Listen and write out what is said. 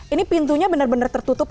ini pintunya benar benar tertutup